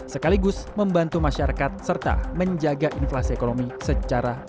sekaligus membantu masyarakat serta menjaga inflasi ekonomi secara